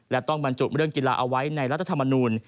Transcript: และต้องบรรจุเรื่องกีฬาเอาไว้ในรัฐธรรมนูล